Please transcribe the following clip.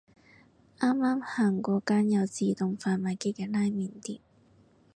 啱啱行過間有自動販賣機嘅拉麵店